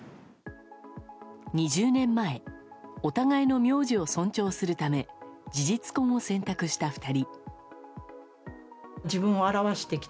２０年前お互いの名字を尊重するため事実婚を選択した２人。